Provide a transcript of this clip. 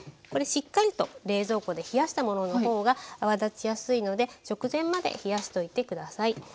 これしっかりと冷蔵庫で冷やしたものの方が泡立ちやすいので直前まで冷やしておいて下さい。